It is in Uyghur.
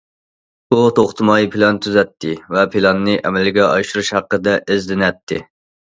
ئو توختىماي پىلان تۈزەتتى ۋە پىلاننى ئەمەلگە ئاشۇرۇش ھەققىدە ئىزدىنەتتى.